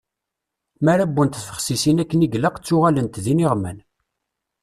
Mi ara wwent tbexsisin akken i ilaq, ttuɣalent d iniɣman.